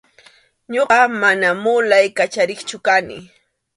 Ñuqa mana mulay kachariqchu kani.